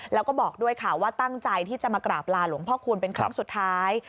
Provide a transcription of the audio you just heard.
แล้วก็บอกด้วยค่ะว่าตั้งใจที่จะมากราบลาหลวงพ่อคูณเป็นครั้งสุดท้าย